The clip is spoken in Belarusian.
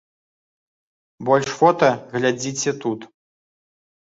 Больш фота глядзіце тут.